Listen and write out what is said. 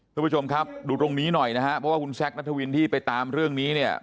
ทุกผู้ชมครับดูตรงนี้หน่อยนะฮะเพราะว่าคุณแซคนัทวินที่ไปตามเรื่องนี้เนี่ย